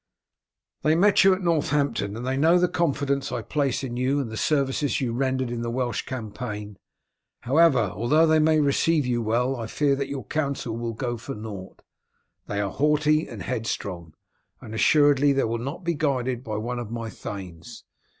They met you at Northampton, and they know the confidence I place in you and the services you rendered in the Welsh campaign. However, although they may receive you well I fear that your counsel will go for nought. They are haughty and headstrong, and assuredly they will not be guided by one of my thanes.